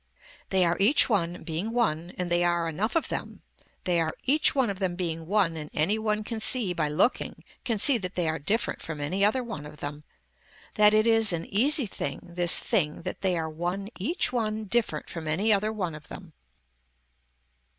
They are each one being one and they are, enough of them, they are each one of them being one and any one can see by looking can see that they are different from any other one of them, that it is an easy thing this thing that they are one each one different from any other one of them.